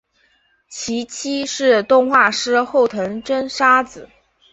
其妻是动画师后藤真砂子。